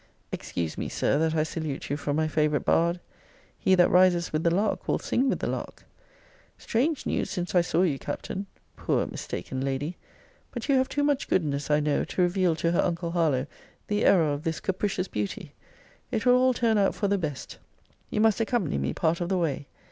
Excuse me, Sir, that I salute you from my favourite bard. He that rises with the lark will sing with the lark. Strange news since I saw you, Captain! Poor mistaken lady! But you have too much goodness, I know, to reveal to her uncle Harlowe the error of this capricious beauty. It will all turn out for the best. You must accompany me part of the way.